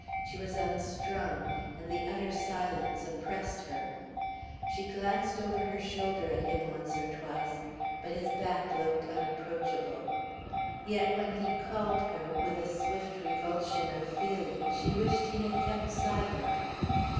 She was unstrung, and the utter silence oppressed her. She glanced over her shoulder at him once or twice, but his back looked unapproachable. Yet when he called her, with a swift revulsion of feeling, she wished he had kept silent.